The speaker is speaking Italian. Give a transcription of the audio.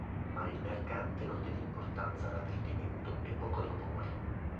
Ma il mercante non diede importanza all'avvertimento e poco dopo morì.